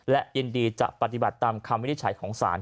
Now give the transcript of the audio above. และยินดีจะปฏิบัติตามคำวินิจฉัยของศาล